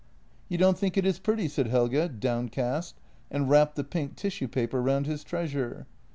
"You don't think it is pretty?" said Helge, downcast, and wrapped the pink tissue paper round his treasure.